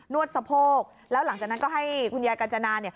วดสะโพกแล้วหลังจากนั้นก็ให้คุณยายกัญจนา